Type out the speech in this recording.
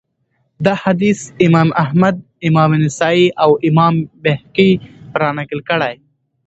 دا حديث امام احمد امام نسائي، او امام بيهقي را نقل کړی